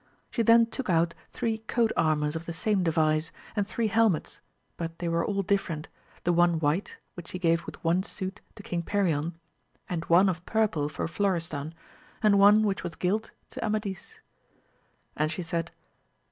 She then took out three coat armours of the same device, and three helmets, but they were all different; the one white, which she gave with one suit to king Perion, and one of purple for Florestan, and one which was gilt to Amadis. And she said.